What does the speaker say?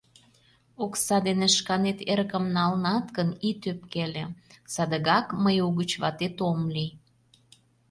Окса дене шканет эрыкым налынат гын, ит ӧпкеле — садыгак мый угыч ватет ом лий...